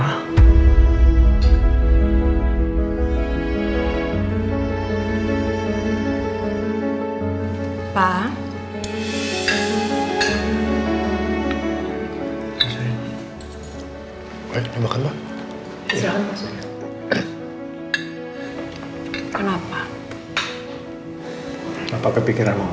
apa kepikirannya tom